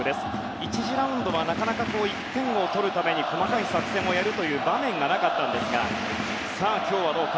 １次ラウンドはなかなか１点を取るために細かい作戦をやる場面がなかったんですが今日はどうか。